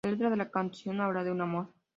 La letra de la canción habla de un amor.